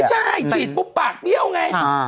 ใช่ฉีดปุ๊บปากเบี้ยวไง